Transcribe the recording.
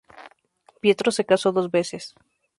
Pietro se caso dos veces.